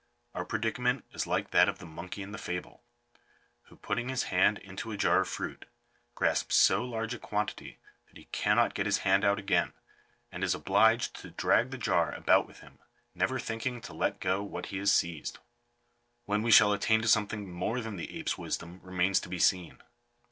Our predicament is like that of the monkey in the fable, who, putting his hand into a jar of fruit, grasps so large a quantity that he cannot get his hand out again, and is obliged to drag the jar about with him, never thinking to let go what he has seized. When we shall attain to something more than the ape's wisdom remains to be seen.